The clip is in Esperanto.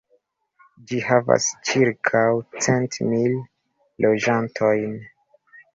Ĝi havas ĉirkaŭ cent mil loĝantojn.